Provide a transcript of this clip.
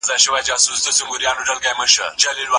هغه څوک چې تل پاک خواړه خوري، بدن یې قوي وي.